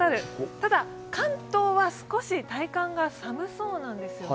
ただ、関東は少し体感が寒そうなんですよね。